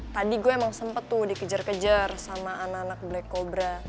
tadi gue emang sempet tuh dikejar kejar sama anak anak black cobra